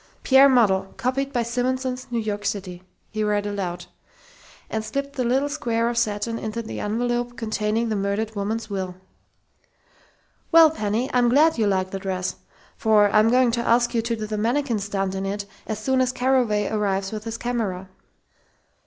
"'Pierre Model. Copied by Simonson's New York City'," he read aloud, and slipped the little square of satin into the envelope containing the murdered woman's will. "Well, Penny, I'm glad you like the dress, for I'm going to ask you to do the mannikin stunt in it as soon as Carraway arrives with his camera."